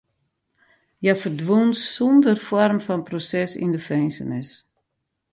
Hja ferdwûn sonder foarm fan proses yn de finzenis.